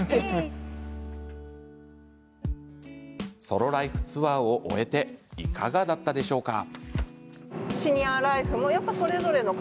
ソロライフツアーを終えていかがだったでしょうか？